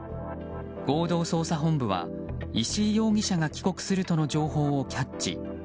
合同捜査本部は石井容疑者が帰国するとの情報をキャッチ。